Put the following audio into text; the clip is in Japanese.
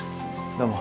どうも。